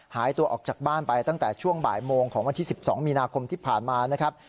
หายตัวออกจากบ้านไปตั้งแต่ช่วงบ่ายโมงของวันที่๑๒มีนาคมที่ผ่านมานะครับ